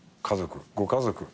家族ご家族。